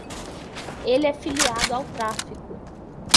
Ele é filiado ao tráfico.